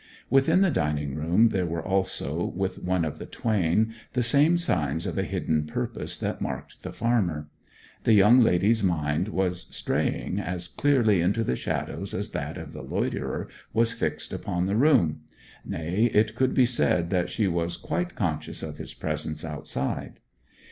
Within the dining room there were also, with one of the twain, the same signs of a hidden purpose that marked the farmer. The young lady's mind was straying as clearly into the shadows as that of the loiterer was fixed upon the room nay, it could be said that she was quite conscious of his presence outside.